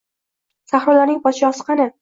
Sahrolarning podshosi qani?